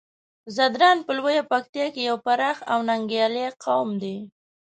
ځدراڼ په لويه پکتيا کې يو پراخ او ننګيالی قوم دی.